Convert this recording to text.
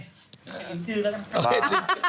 เห็นชื่อแล้วนะ